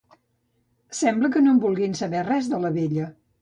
Sembla que no en vulguin saber res, de la vella.